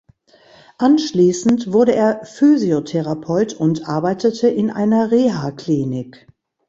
Anschließend wurde er Physiotherapeut und arbeitete in einer Rehaklinik.